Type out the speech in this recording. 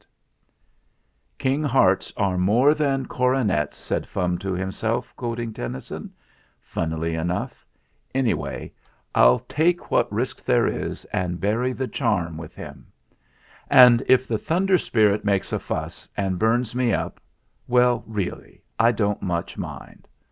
54 THE FLINT HEART ' 'King hearts are more than coronets/ ' said Fum to himself quoting Tennyson, funnily enough. "Anyway, I'll take what risk there is and bury the charm with him. And if the Thunder Spirit makes a fuss and burns me up well, really I don't much mind.